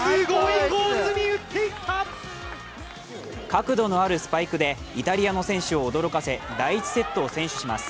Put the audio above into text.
角度のあるスパイクでイタリアの選手を驚かせ、第１セットを先取します。